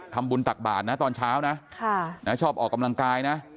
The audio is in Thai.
ตักบาทนะตอนเช้านะชอบออกกำลังกายนะ